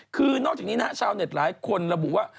คือนอกจากนี้นะฮะชาวเน็ตหลายคนระบุว่า